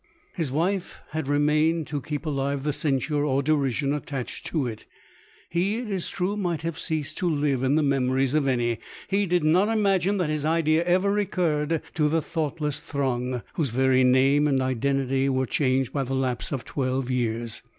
His wife had remained to keep alive the censure or derision attached to it. He, it is true, might have ceased to live in the memories of any. He did not imagine that his idea ever recurred to the thoughtless throng, whose very name and identity were changed by the lapse of twelve years.